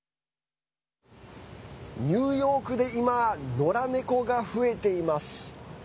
Ｍｅｏｗ．ニューヨークで今、のら猫が増えています。